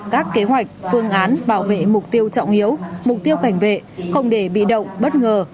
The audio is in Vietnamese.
các kế hoạch phương án bảo vệ mục tiêu trọng yếu mục tiêu cảnh vệ không để bị động bất ngờ